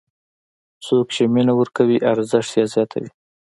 څوک چې مینه ورکوي، ارزښت یې زیاتوي.